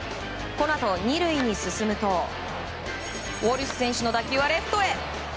このあと２塁に進むとウォレス選手の打球はレフトへ。